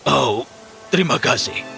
oh terima kasih